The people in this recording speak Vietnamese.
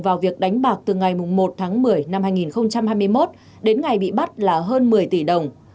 vào việc đánh bạc từ ngày một tháng một mươi năm hai nghìn hai mươi một đến ngày bị bắt là hơn một mươi tỷ đồng